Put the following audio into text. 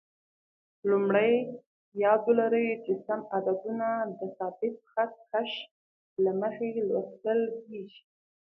لومړی: یاد ولرئ چې سم عددونه د ثابت خط کش له مخې لوستل کېږي.